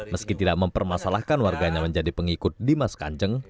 meski tidak mempermasalahkan warganya menjadi pengikut di maskan jengtaat